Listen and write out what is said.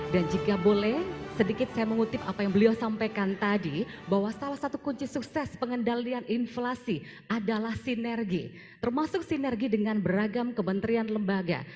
jika boleh sedikit saya mengutip apa yang beliau sampaikan tadi bahwa salah satu kunci sukses pengendalian inflasi adalah sinergi termasuk sinergi dengan beragam kementerian lembaga